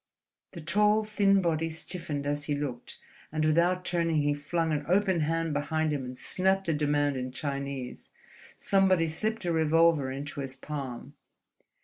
The tall, thin body stiffened as he looked, and without turning he flung an open hand behind him and snapped a demand in Chinese. Somebody slipped a revolver into his palm.